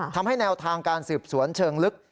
ทำให้แนวทางการสืบสวนเชิงลึก